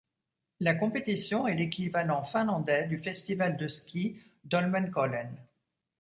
La compétition est l'équivalent finlandais du Festival de ski d'Holmenkollen.